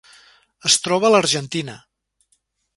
Es troba a l'Argentina: